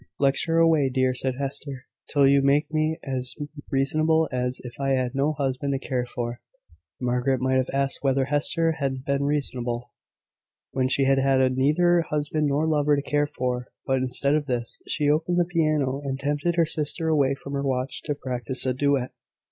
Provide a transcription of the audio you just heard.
"Lecture away, dear," said Hester, "till you make me as reasonable as if I had no husband to care for." Margaret might have asked whether Hester had been reasonable when she had had neither husband nor lover to care for; but, instead of this, she opened the piano, and tempted her sister away from her watch to practise a duet.